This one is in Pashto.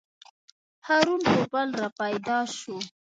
هارون پوپل راپیدا شو.